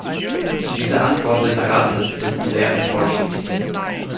Diese Antwort des Rates ist sehr enttäuschend.